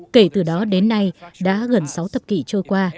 kể từ đó đến nay đã gần sáu thập kỷ trôi qua